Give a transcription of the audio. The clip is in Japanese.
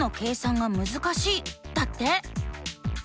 だって。